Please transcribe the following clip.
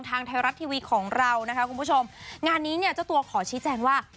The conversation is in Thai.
ทางไทยรัฐทีวีของเรานะคะคุณผู้ชมงานนี้เนี่ยเจ้าตัวขอชี้แจงว่า